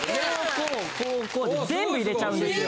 こうこうこうで全部入れちゃうんですよ。